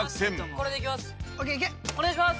これで行きます。